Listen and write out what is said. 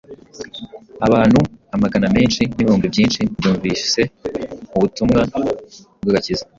Abantu amagana menshi n’ibihumbi byinshi bumvise ubutumwa bw’agakiza